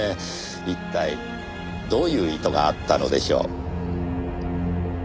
一体どういう意図があったのでしょう？